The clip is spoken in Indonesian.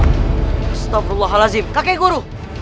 astagfirullahaladzim kakek guru